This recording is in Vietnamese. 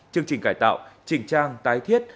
chương trình cải tạo trình trang tái thiết